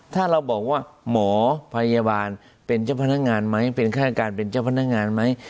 ถ้าเราบอกว่าหมอพยาบาลเป็นเจ้าพนักงานไหมเป็นฆาตการเป็นเจ้าพนักงานไหม